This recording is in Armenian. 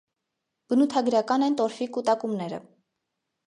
Բնութագրական են տորֆի կուտակումները։